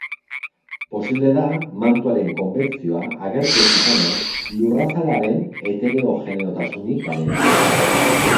Posible da mantuaren konbekzioa agertu ez izana lurrazalaren heterogeneotasunik gabe.